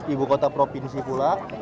ibu kota provinsi pula